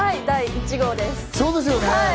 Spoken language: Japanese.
第１号です。